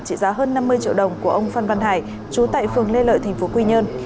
chỉ giá hơn năm mươi triệu đồng của ông phan văn hải chú tại phường lê lợi tp quy nhơn